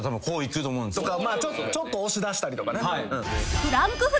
ちょっと押し出したりとかね。